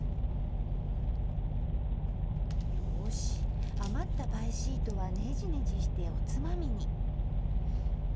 よし余ったパイシートはネジネジしておつまみに。